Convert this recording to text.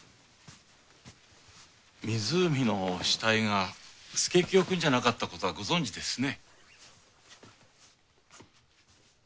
湖の死体が佐清くんじゃなかったことはご存じですね。